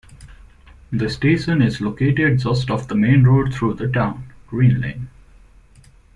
The station is located just off the main road through the town, Green Lane.